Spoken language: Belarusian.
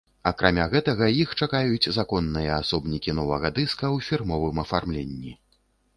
Акрамя гэтага іх чакаюць законныя асобнікі новага дыска ў фірмовым афармленні.